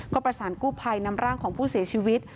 ก็ประสานกู้ภัยนำร่างของผู้เสียชีวิต